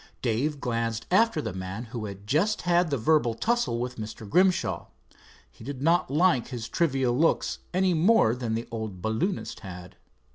Dave glanced after the man who had just had the verbal tussle with Mr. Grimshaw. He did not like his trivial looks any more than the old balloonist had.